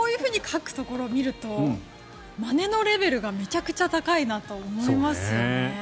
こういうふうにかくところを見るとまねのレベルがめちゃくちゃ高いと感じますね。